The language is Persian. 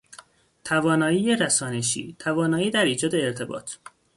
توانایی رسانشی، توانایی در ایجاد ارتباط